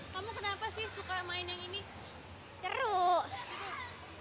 perosotan piano oke capek gak main trampolin